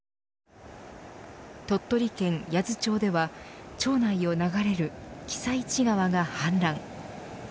鳥取県八頭町では町内を流れる私都川が氾濫。